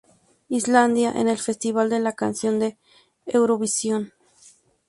Islandia en el Festival de la Canción de Eurovisión